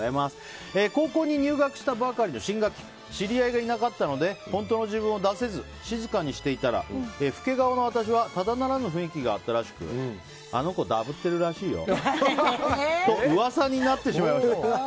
高校に入学したばかりの新学期知り合いがいなかったので本当の自分を出せず静かにしていたら老け顔の私はただならぬ雰囲気があったらしくあの子、ダブってるらしいよと噂になってしまいました。